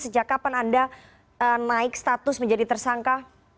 sejak kapan anda naik status menjadi tersangka